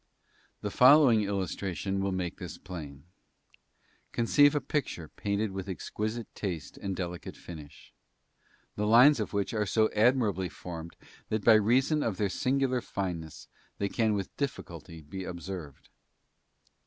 The following illustration will make this plain: conceive a picture painted with exquisite taste and delicate finish, the lines of which are so admirably formed that by reason of their singular fineness they can with difficulty be observed.